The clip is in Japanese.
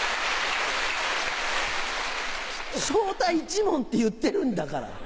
昇太一門って言ってるんだから。